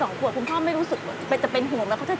คุณพ่อไม่รู้สึกว่าจะเป็นห่วงว่าเขาจะจับมีดจับอะไรอย่างนี้หรือเปล่า